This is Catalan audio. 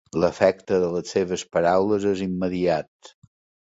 L'efecte de les seves paraules és immediat.